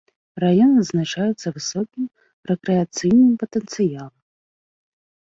Раён адзначаецца высокім рэкрэацыйным патэнцыялам.